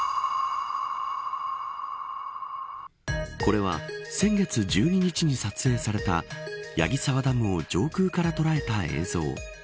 これは、先月１２日に撮影された矢木沢ダムを上空から捉えた映像。